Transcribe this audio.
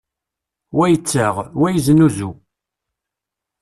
Wa yettaɣ, wa yeznuzu.